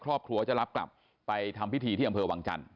ครอบครัวจะรับกลับไปทำพิธีที่อำเภอวังจันท